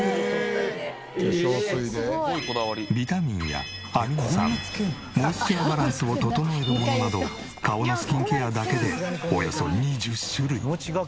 ビタミンやアミノ酸モイスチャーバランスを整えるものなど顔のスキンケアだけでおよそ２０種類。